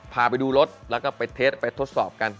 พาไปดูรถแล้วก็ไปเทสไปทดสอบกัน